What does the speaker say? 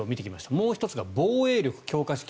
もう１つが防衛力強化資金。